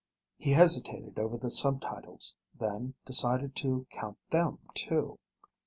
He hesitated over the subtitles, then decided to count them too.